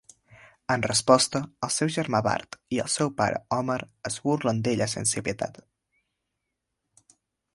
En resposta, el seu germà Bart i el seu pare Homer es burlen d'ella sense pietat.